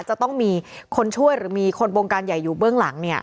จะต้องมีคนช่วยหรือมีคนบงการใหญ่อยู่เบื้องหลัง